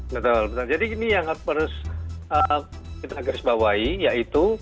betul jadi ini yang harus kita garis bawahi yaitu